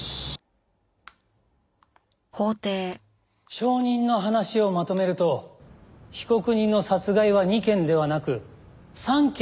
証人の話をまとめると被告人の殺害は２件ではなく３件に及ぶという事ですか？